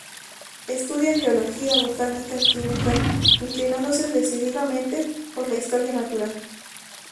Estudia Geología, Botánica, Química, inclinándose decididamente por la historia natural.